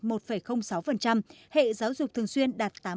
hệ công lập đạt tám năm